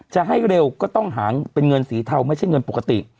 จะให้เร็วก็ต้องหางเป็นเงินสีเทาไม่ใช่เงินปกติ